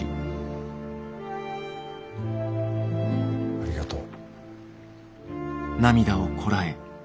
ありがとう。